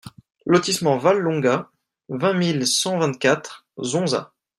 Lotissement Valle Longa, vingt mille cent vingt-quatre Zonza